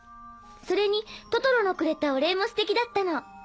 それにトトロのくれたお礼もすてきだったの。